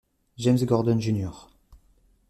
James Gordon Jr.